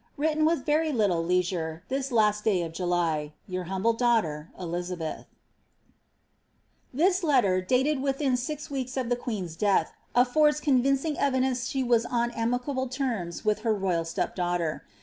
Written with very iiitle leiMtn^ this la«t day of July. Your humble daughter, This letter, dated within six weeks of the queen's death, afibrds con vincing evidence that she was on amicable terms with her royal step daughter.